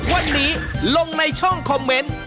วันนี้ลงในช่องคอมเมนต์